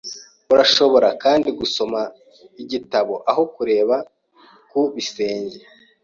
Urashobora kandi gusoma igitabo aho kureba ku gisenge.